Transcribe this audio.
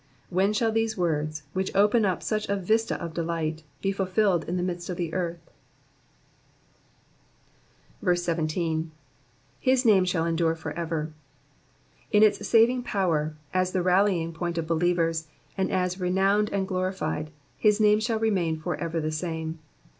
When shall these words, which open up such a vista of delight, be fulfilled in the midst of the earth ? 17. "///« name shall endure for ecer.'*'* In its saving power, as the rallying point of believers, and as renowned and glorified, his name shall remain for ever the same.